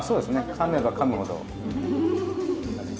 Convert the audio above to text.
かめばかむほど。